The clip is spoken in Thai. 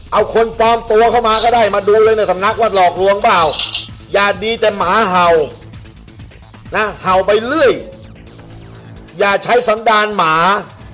เอาคนปลอมตัวเข้ามาก็ได้มาดูเลยในสำนักว่าหลอกลวงเปล่าอย่าดีแต่หมาเห่านะเห่าไปเรื่อยอย่าใช้สันดารหมา